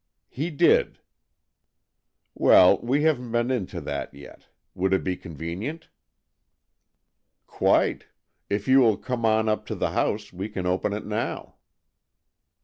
" He did." ''Well, we haven't been into that yet. Would it be convenient?" 98 AN EXCHANGE OF SOULS ''Quite. If you will come on up to the house, we can open it now."